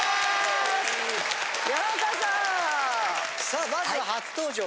さあまずは初登場。